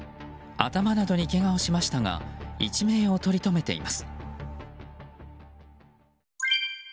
頭などにけがをしましたが一命をとりとめています。